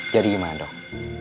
jadi gimana dok